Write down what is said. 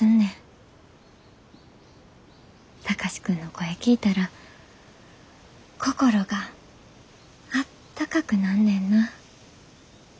貴司君の声聞いたら心があったかくなんねんな。